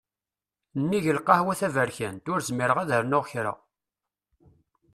Nnig lqahwa taberkant, ur zmireɣ ad rnuɣ kra.